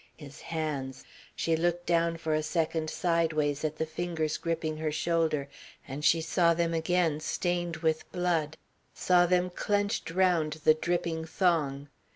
His hands! She looked down for a second sideways at the fingers gripping her shoulder and she saw them again stained with blood, saw them clenched round the dripping thong.